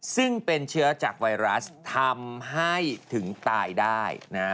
ซึ่งเป็นเชื้อจากไวรัสทำให้ถึงตายได้นะ